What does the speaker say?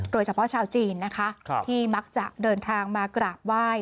โดยเฉพาะชาวจีนนะคะที่มักจะเดินทางมากราบไหว้